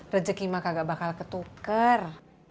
rezeki mak gak bakal ketuker